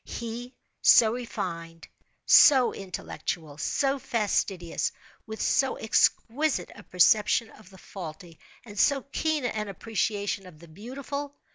He, so refined, so intellectual, so fastidious, with so exquisite a perception of the faulty, and so keen an appreciation of the beautiful!